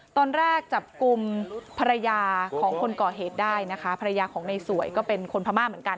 ตอนแรกจับกลุ่มภรรยาของคนก่อเหตุได้นะคะภรรยาของในสวยก็เป็นคนพม่าเหมือนกัน